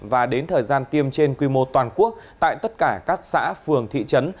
và đến thời gian tiêm trên quy mô toàn quốc tại tất cả các xã phường thị trấn